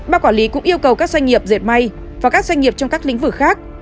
bác quản lý cũng yêu cầu các doanh nghiệp dệt may và các doanh nghiệp trong các lĩnh vực khác